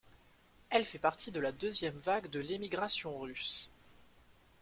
Elle fait partie de la deuxième vague de l'émigration russe.